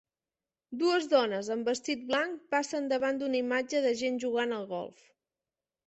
Dues dones amb vestit blanc passen davant d'una imatge de gent jugant al golf.